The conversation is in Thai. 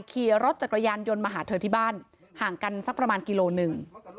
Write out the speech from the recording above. ขี่รถจักรยานยนต์มาหาเธอที่บ้านห่างกันสักประมาณกิโลหนึ่ง